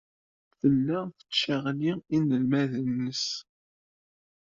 Tella tettcaɣli inelmaden-nnes.